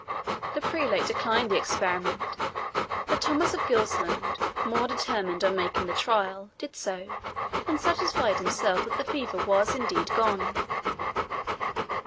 The prelate declined the experiment; but Thomas of Gilsland, more determined on making the trial, did so, and satisfied himself that the fever was indeed gone.